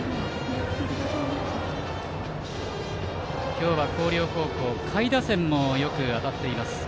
今日の広陵高校は下位打線もよく当たっています。